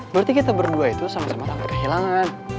berarti kita berdua itu sama sama takut kehilangan